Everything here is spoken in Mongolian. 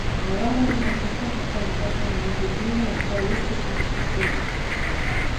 Аврорагийн учиртай харцыг анзаарсан хүмүүс эзнийг нь олохоор ийш тийш харж эхэлжээ.